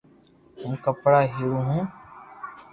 ھون ڪپڙا ھيڙيو ھون